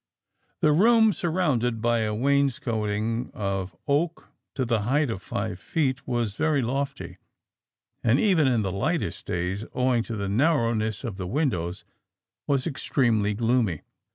"The room, surrounded by a wainscoting of oak to the height of five feet, was very lofty, and even in the lightest days, owing to the narrowness of the windows, was extremely gloomy.